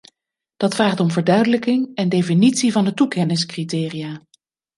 Dat vraagt om verduidelijking en definitie van de toekenningscriteria.